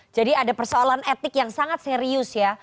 jadi ada persoalan etik yang sangat serius ya